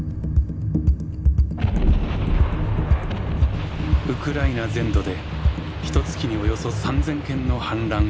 ウクライナ全土でひとつきにおよそ３０００件の反乱が発生。